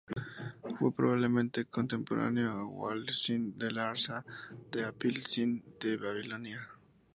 Fue, probablemente, contemporáneo de Warad-Sîn de Larsa y de Apil-Sîn de Babilonia.